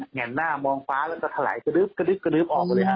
เหงั่งหน้ามองฟ้าแล้วจะถลายกระดึ๊บเกดื๊บออกเลยครับ